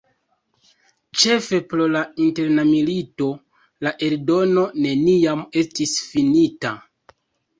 Ĉefe pro la Interna milito, la eldono neniam estis finita.